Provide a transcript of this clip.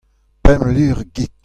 Pemp lur gig.